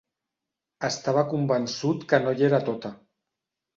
Estava convençut que no hi era tota.